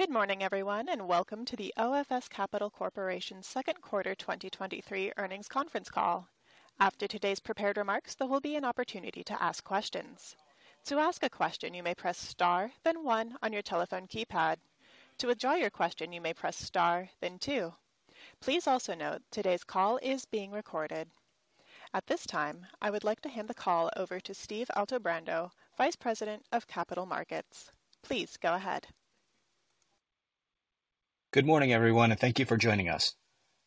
Good morning, everyone, and welcome to the OFS Capital Corporation second quarter 2023 earnings conference call. After today's prepared remarks, there will be an opportunity to ask questions. To ask a question, you may press star, then one on your telephone keypad. To withdraw your question, you may press star, then two. Please also note today's call is being recorded. At this time, I would like to hand the call over to Steve Altebrando, Vice President of Capital Markets. Please go ahead. Good morning, everyone. Thank you for joining us.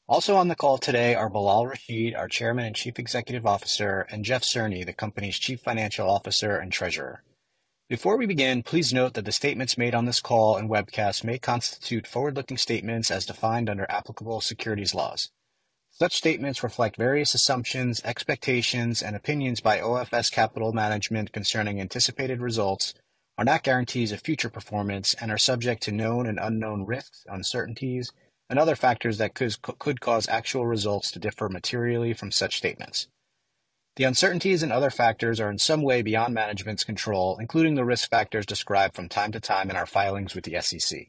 Also on the call today are Bilal Rashid, our Chairman and Chief Executive Officer, and Jeff Cerny, the company's Chief Financial Officer and Treasurer. Before we begin, please note that the statements made on this call and webcast may constitute forward-looking statements as defined under applicable securities laws. Such statements reflect various assumptions, expectations, and opinions by OFS Capital Management concerning anticipated results, are not guarantees of future performance, and are subject to known and unknown risks, uncertainties, and other factors that could cause actual results to differ materially from such statements. The uncertainties and other factors are in some way beyond management's control, including the risk factors described from time to time in our filings with the SEC.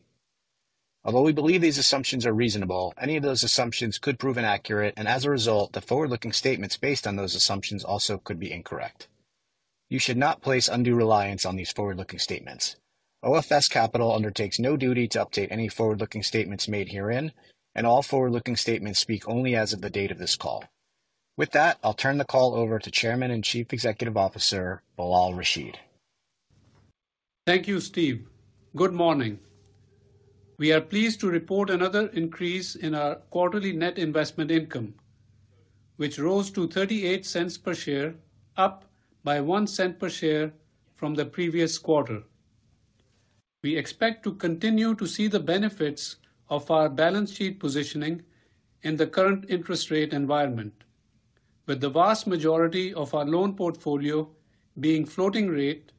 Although we believe these assumptions are reasonable, any of those assumptions could prove inaccurate, and as a result, the forward-looking statements based on those assumptions also could be incorrect. You should not place undue reliance on these forward-looking statements. OFS Capital undertakes no duty to update any forward-looking statements made herein, and all forward-looking statements speak only as of the date of this call. With that, I'll turn the call over to Chairman and Chief Executive Officer, Bilal Rashid. Thank you, Steve. Good morning. We are pleased to report another increase in our quarterly net investment income, which rose to $0.38 per share, up by $0.01 per share from the previous quarter. We expect to continue to see the benefits of our balance sheet positioning in the current interest rate environment, with the vast majority of our loan portfolio being floating rate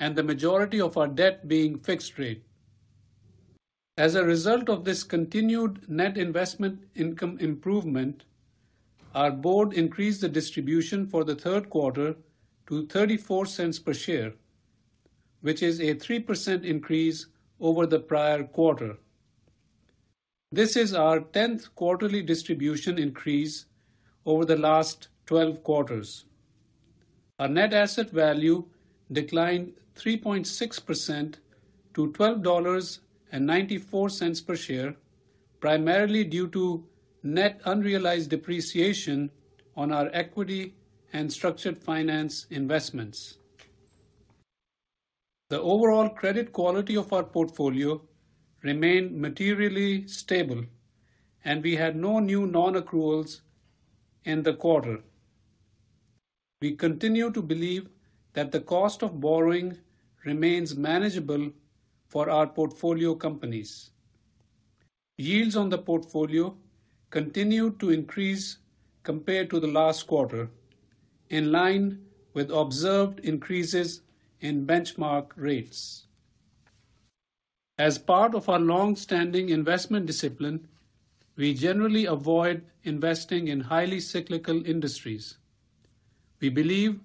and the majority of our debt being fixed rate. As a result of this continued net investment income improvement, our board increased the distribution for the third quarter to $0.34 per share, which is a 3% increase over the prior quarter. This is our 10th quarterly distribution increase over the last 12 quarters. Our net asset value declined 3.6% to $12.94 per share, primarily due to net unrealized depreciation on our equity and structured finance investments. The overall credit quality of our portfolio remained materially stable, and we had no new nonaccruals in the quarter. We continue to believe that the cost of borrowing remains manageable for our portfolio companies. Yields on the portfolio continued to increase compared to the last quarter, in line with observed increases in benchmark rates. As part of our long-standing investment discipline, we generally avoid investing in highly cyclical industries. We believe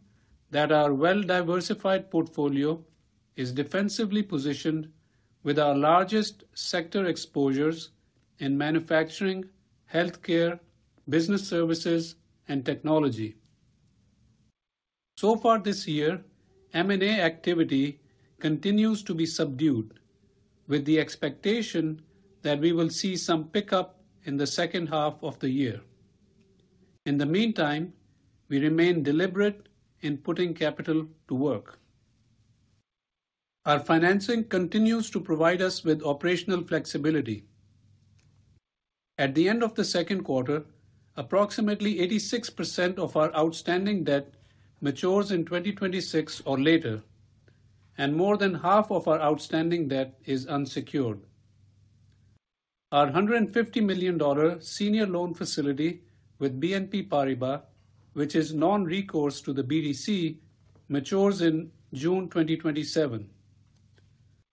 that our well-diversified portfolio is defensively positioned with our largest sector exposures in manufacturing, healthcare, business services, and technology. Far this year, M&A activity continues to be subdued, with the expectation that we will see some pickup in the second half of the year. In the meantime, we remain deliberate in putting capital to work. Our financing continues to provide us with operational flexibility. At the end of the second quarter, approximately 86% of our outstanding debt matures in 2026 or later, more than half of our outstanding debt is unsecured. Our $150 million senior loan facility with BNP Paribas, which is non-recourse to the BDC, matures in June 2027.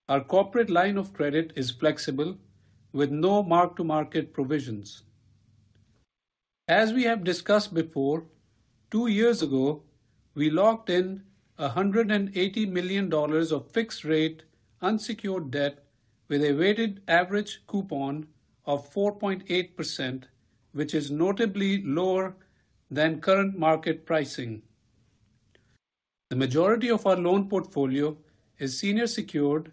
Our corporate line of credit is flexible with no mark-to-market provisions. As we have discussed before, two years ago, we locked in $180 million of fixed-rate unsecured debt with a weighted average coupon of 4.8%, which is notably lower than current market pricing. The majority of our loan portfolio is senior secured,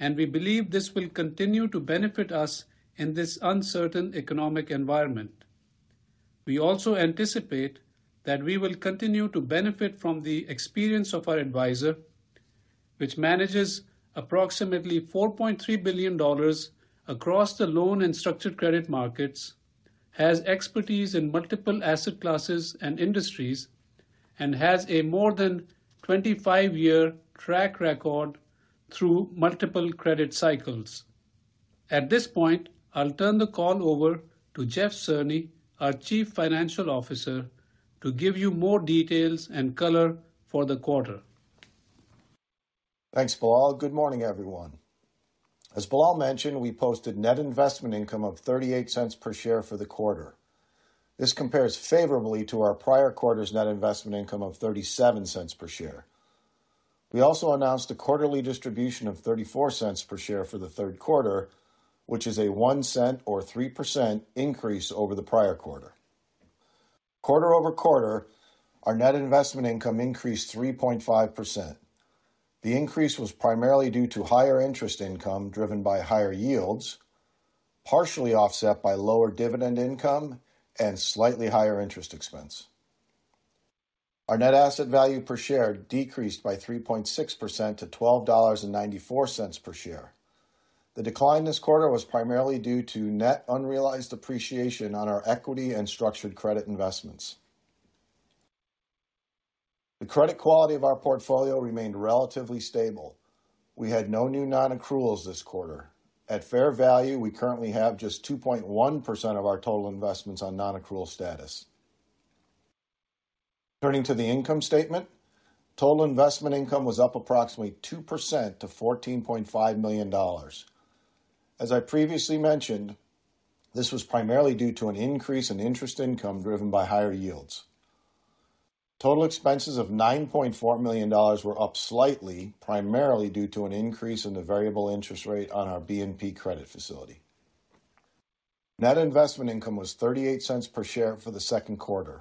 we believe this will continue to benefit us in this uncertain economic environment. We also anticipate that we will continue to benefit from the experience of our advisor, which manages approximately $4.3 billion across the loan and structured credit markets, has expertise in multiple asset classes and industries, and has a more than 25-year track record through multiple credit cycles. At this point, I'll turn the call over to Jeff Cerny, our Chief Financial Officer, to give you more details and color for the quarter. Thanks, Bilal. Good morning, everyone. As Bilal mentioned, we posted net investment income of $0.38 per share for the quarter. This compares favorably to our prior quarter's net investment income of $0.37 per share. We also announced a quarterly distribution of $0.34 per share for the third quarter, which is a $0.01 or 3% increase over the prior quarter. Quarter-over-quarter, our net investment income increased 3.5%. The increase was primarily due to higher interest income, driven by higher yields, partially offset by lower dividend income and slightly higher interest expense. Our net asset value per share decreased by 3.6% to $12.94 per share. The decline this quarter was primarily due to net unrealized appreciation on our equity and structured credit investments. The credit quality of our portfolio remained relatively stable. We had no new nonaccruals this quarter. At fair value, we currently have just 2.1% of our total investments on nonaccrual status. Turning to the income statement, total investment income was up approximately 2% to $14.5 million. As I previously mentioned, this was primarily due to an increase in interest income driven by higher yields. Total expenses of $9.4 million were up slightly, primarily due to an increase in the variable interest rate on our BNP credit facility. Net investment income was $0.38 per share for the second quarter.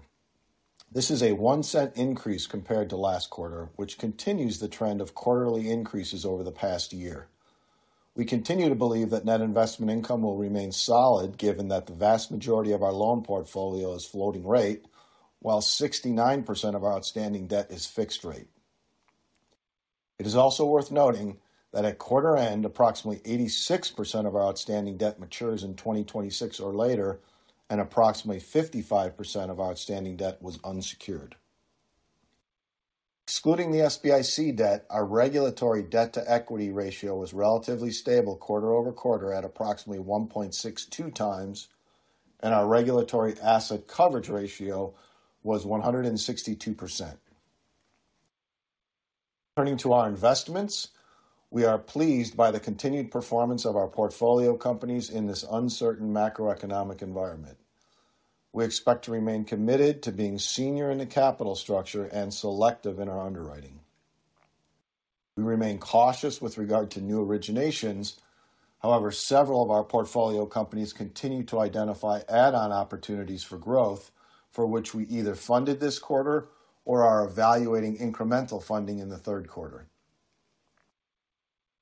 This is a $0.01 increase compared to last quarter, which continues the trend of quarterly increases over the past year. We continue to believe that net investment income will remain solid, given that the vast majority of our loan portfolio is floating rate, while 69% of our outstanding debt is fixed rate. It is also worth noting that at quarter end, approximately 86% of our outstanding debt matures in 2026 or later, and approximately 55% of outstanding debt was unsecured. Excluding the SBIC debt, our regulatory debt-to-equity ratio was relatively stable quarter-over-quarter at approximately 1.62x, and our regulatory asset coverage ratio was 162%. Turning to our investments, we are pleased by the continued performance of our portfolio companies in this uncertain macroeconomic environment. We expect to remain committed to being senior in the capital structure and selective in our underwriting. We remain cautious with regard to new originations. However, several of our portfolio companies continue to identify add-on opportunities for growth, for which we either funded this quarter or are evaluating incremental funding in the third quarter.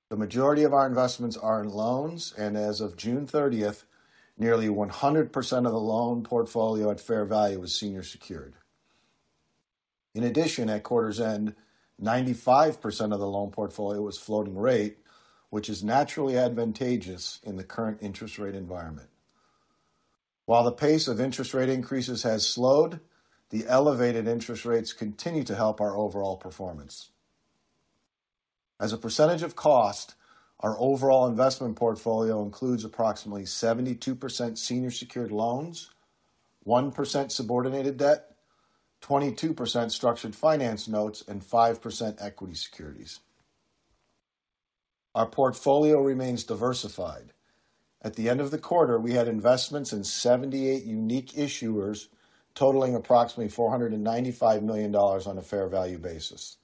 The majority of our investments are in loans, and as of June 30th, nearly 100% of the loan portfolio at fair value was senior secured. In addition, at quarter's end, 95% of the loan portfolio was floating rate, which is naturally advantageous in the current interest rate environment. While the pace of interest rate increases has slowed, the elevated interest rates continue to help our overall performance. As a percentage of cost, our overall investment portfolio includes approximately 72% senior secured loans, 1% subordinated debt, 22% structured finance securities, and 5% equity securities. Our portfolio remains diversified. At the end of the quarter, we had investments in 78 unique issuers, totaling approximately $495 million on a fair value basis.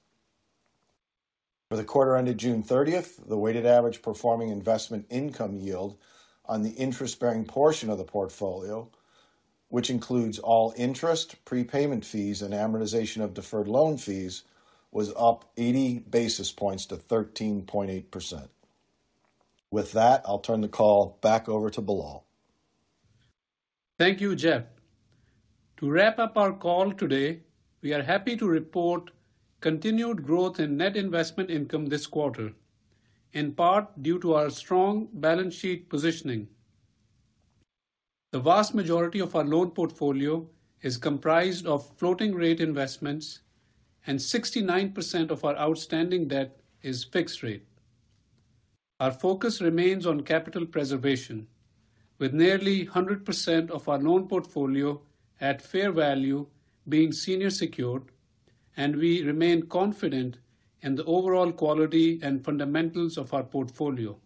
For the quarter ended June 30th, the weighted average performing investment income yield on the interest-bearing portion of the portfolio, which includes all interest, prepayment fees, and amortization of deferred loan fees, was up 80 basis points to 13.8%. With that, I'll turn the call back over to Bilal. Thank you, Jeff. To wrap up our call today, we are happy to report continued growth in net investment income this quarter, in part due to our strong balance sheet positioning. The vast majority of our loan portfolio is comprised of floating rate investments, and 69% of our outstanding debt is fixed rate. Our focus remains on capital preservation, with nearly 100% of our loan portfolio at fair value being senior secured, and we remain confident in the overall quality and fundamentals of our portfolio.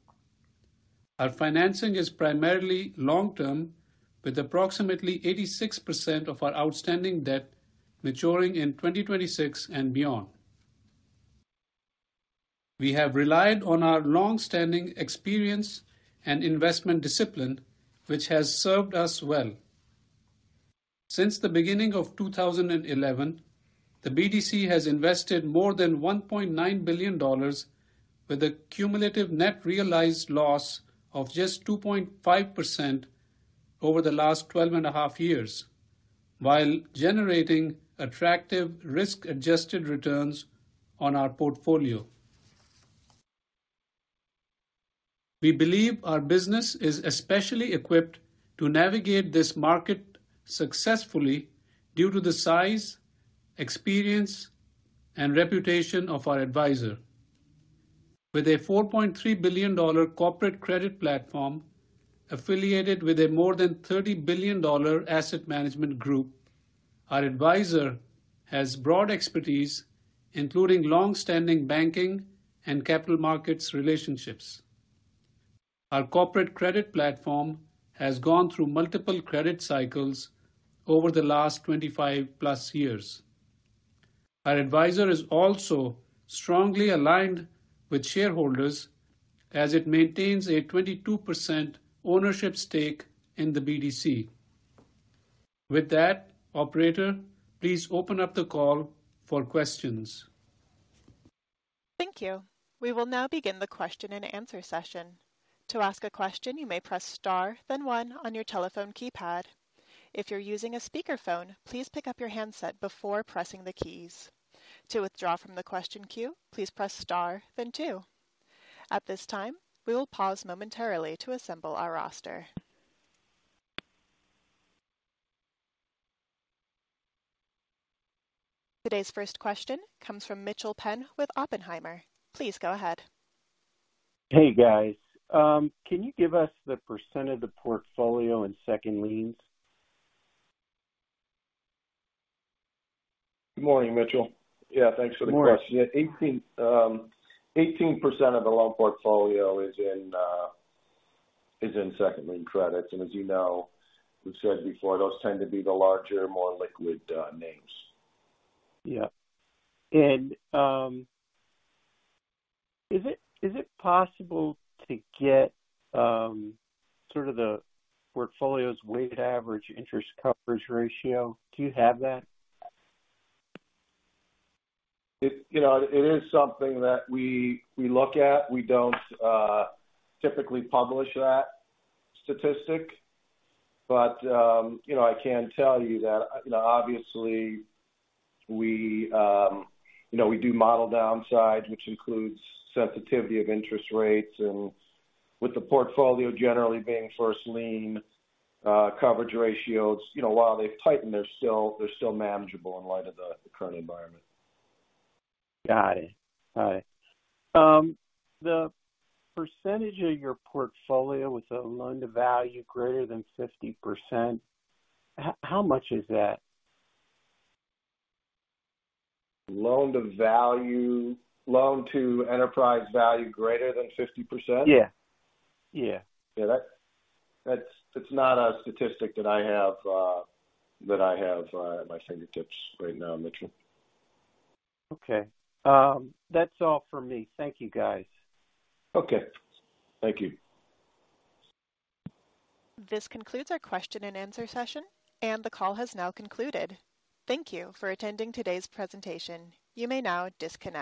Our financing is primarily long-term, with approximately 86% of our outstanding debt maturing in 2026 and beyond. We have relied on our long-standing experience and investment discipline, which has served us well. Since the beginning of 2011, the BDC has invested more than $1.9 billion with a cumulative net realized loss of just 2.5% over the last 12.5 years, while generating attractive risk-adjusted returns on our portfolio. We believe our business is especially equipped to navigate this market successfully due to the size, experience, and reputation of our advisor. With a $4.3 billion corporate credit platform affiliated with a more than $30 billion asset management group, our advisor has broad expertise, including long-standing banking and capital markets relationships. Our corporate credit platform has gone through multiple credit cycles over the last 25+ years. Our advisor is also strongly aligned with shareholders as it maintains a 22% ownership stake in the BDC. With that, operator, please open up the call for questions. Thank you. We will now begin the question and answer session. To ask a question, you may press star, then one on your telephone keypad. If you're using a speakerphone, please pick up your handset before pressing the keys. To withdraw from the question queue, please press star, then two. At this time, we will pause momentarily to assemble our roster. Today's first question comes from Mitchel Penn with Oppenheimer. Please go ahead. Hey, guys. Can you give us the percent of the portfolio in second liens? Good morning, Mitchel. Yeah, thanks for the question. Good morning. 18% of the loan portfolio is in second lien credits, and as you know, we've said before, those tend to be the larger, more liquid, names. Yeah. Is it, is it possible to get, sort of the portfolio's weighted average interest coverage ratio? Do you have that? It, you know, it is something that we, we look at. We don't typically publish that statistic. You know, I can tell you that, you know, obviously we, you know, we do model downside, which includes sensitivity of interest rates. With the portfolio generally being first lien, coverage ratios, you know, while they've tightened, they're still, they're still manageable in light of the current environment. Got it. All right. The percentage of your portfolio with a loan-to-value greater than 50%, how, how much is that? Loan-to-value... Loan-to-enterprise value greater than 50%? Yeah. Yeah. Yeah, that's, that's not a statistic that I have, that I have at my fingertips right now, Mitchel. Okay. That's all for me. Thank you, guys. Okay. Thank you. This concludes our question-and-answer session. The call has now concluded. Thank you for attending today's presentation. You may now disconnect.